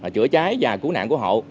chữa cháy và cứu nạn của hộ